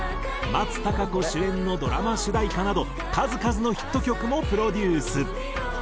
松たか子主演のドラマ主題歌など数々のヒット曲もプロデュース。